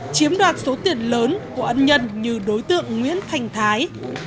chiếm đoạt số tiền lớn của ân nhân như đối tượng nguyễn thành thái